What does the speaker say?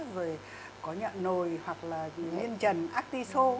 rồi có nhận nồi hoặc là nguyên trần actisol